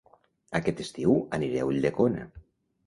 Aquest estiu aniré a Ulldecona